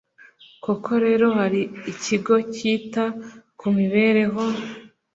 koko rero, hari ikigo cyita ku mibereho